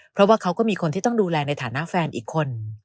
เพราะว่าเขาก็มีคนที่ต้องดูแลในฐานะแฟนอีกคน